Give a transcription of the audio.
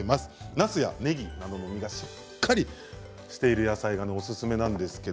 なすやねぎなど実がしっかりしている野菜などおすすめです。